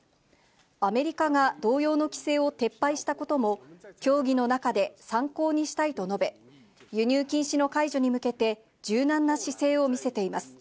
アメリカが同様の規制を撤廃したことも、協議の中で参考にしたいと述べ、輸入禁止の解除に向けて、柔軟な姿勢を見せています。